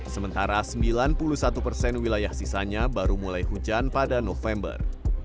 sementara sembilan puluh satu persen wilayah sisanya baru mulai hujan pada november